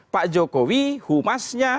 pak jokowi humasnya